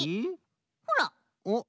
ほら。おっ。